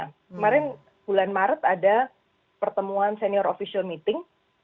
kemarin bulan maret ada pertemuan senior official meeting